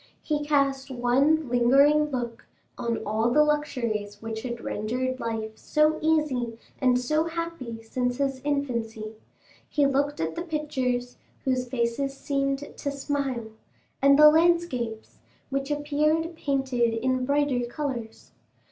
He cast one lingering look on all the luxuries which had rendered life so easy and so happy since his infancy; he looked at the pictures, whose faces seemed to smile, and the landscapes, which appeared painted in brighter colors.